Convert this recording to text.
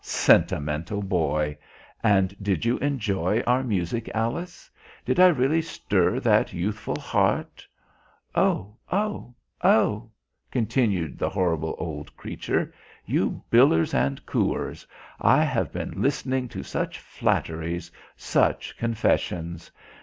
Sentimental boy! And did you enjoy our music, Alice? Did I really stir that youthful heart?... O, O, O," continued the horrible old creature, "you billers and cooers, I have been listening to such flatteries, such confessions!